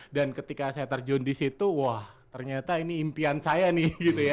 dan ketika saya terjun di situ wah ternyata ini impian saya nih gitu ya